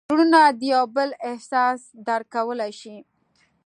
زړونه د یو بل احساس درک کولی شي.